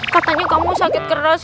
katanya kamu sakit keras